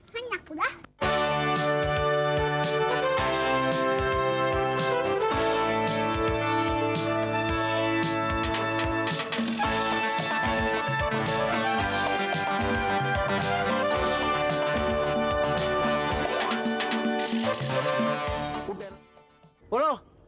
hah nyak udah